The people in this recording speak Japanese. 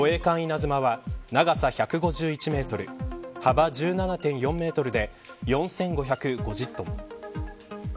づまは長さ１５１メートル幅１７．４メートルで４５５０トン。